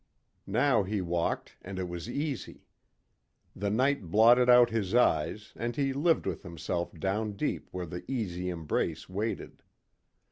Now he walked and it was easy. The night blotted out his eyes and he lived with himself down deep where the easy embrace waited.